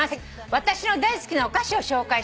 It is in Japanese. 「私の大好きなお菓子を紹介します」